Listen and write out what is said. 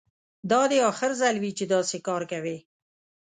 دا دې اخر ځل وي چې داسې کار کوې